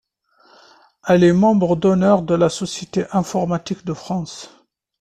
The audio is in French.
Elle est membre d'honneur de la Société informatique de France.